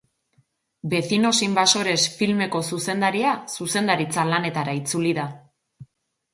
Vecinos invasores filmeko zuzendaria zuzendaritza lanetara itzuli da.